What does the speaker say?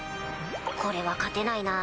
これは勝てないな。